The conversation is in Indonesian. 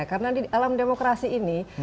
karena di dalam demokrasi ini